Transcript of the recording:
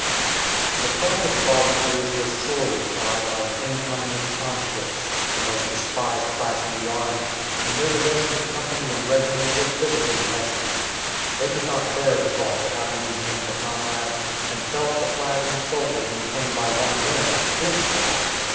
The pride of the volunteers was sorely tried by the incoming of conscripts, the most despised class in the army, and their devotion to company and regiment was visibly lessened. They could not bear the thought of having these men for comrades, and felt the flag insulted when claimed by one of them as "his flag."